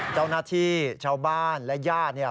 เจ้านาธิเชาบ้านและญาติ